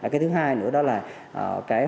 cái thứ hai nữa đó là